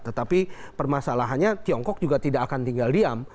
tetapi permasalahannya tiongkok juga tidak akan tinggal diam